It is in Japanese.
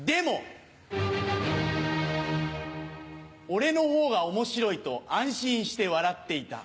俺のほうが面白いと安心して笑っていた。